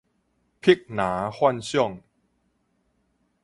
碧藍幻想